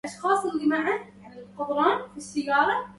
أيا من لساني لا يقوم بشكره